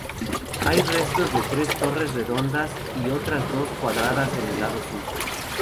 Hay restos de tres torres redondas y otras dos cuadradas en el lado sur.